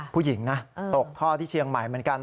ผู้หญิงนะตกท่อที่เชียงใหม่เหมือนกัน